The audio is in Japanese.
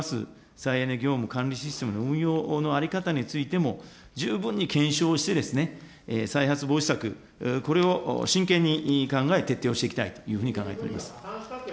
再エネ業務管理システムの運用の在り方についても、十分に検証をして、再発防止策、これを真剣に考え、徹底をしていきたいというふうに考えております。